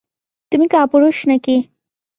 তুমি কাপুরুষ নাকি?